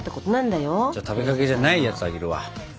じゃあ食べかけじゃないやつあげるわ。